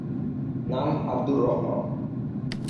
নাম আব্দুর রহমান।